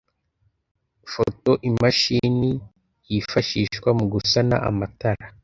photo imashini yifashishwa mu gusana amatara